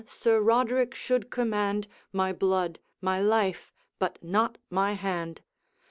Sir Roderick should command My blood, my life, but not my hand.